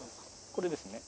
これですね。